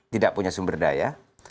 tidak punya sumber daya